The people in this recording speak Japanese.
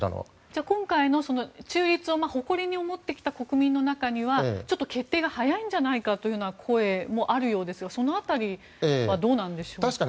今回の中立を誇りに思ってきた国民の中には決定が早いんじゃないかという声もあるようですがその辺りはどうなんでしょうか。